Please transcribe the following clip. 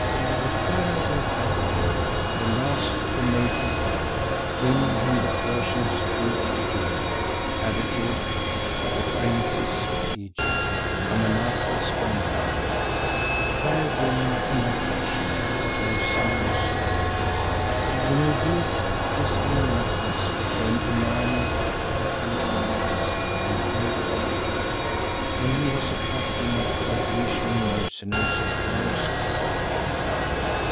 "The Pharaoh of that day, the last of the native blood, him whom the Persians drove to doom, had a daughter, the Princess of Egypt, Amenartas by name, a fair woman in her fashion, though somewhat swarthy. In her youth this Amenartas became enamoured of Kallikrates and he of her, when he was a captain of the Grecian Mercenaries at Pharaoh's Court.